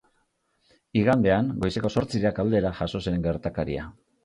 Igandean, goizeko zortzirak aldera, jazo zen gertakaria.